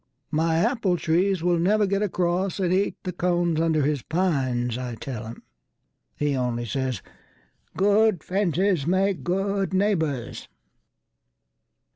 My apple trees will never get acrossAnd eat the cones under his pines, I tell him. He only says, "Good fences make good neighbours."